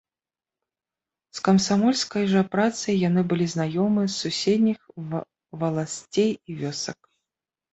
З камсамольскай жа працай яны былі знаёмы з суседніх валасцей і вёсак.